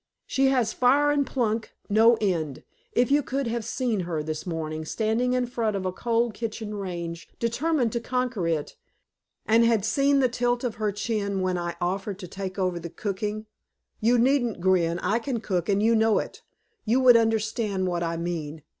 She has fire, and pluck, no end. If you could have seen her this morning, standing in front of a cold kitchen range, determined to conquer it, and had seen the tilt of her chin when I offered to take over the cooking you needn't grin; I can cook, and you know it you would understand what I mean.